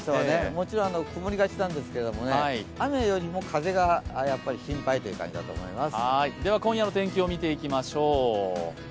もちろん曇りがちなんですけども、雨よりも風が心配という感じだと思います。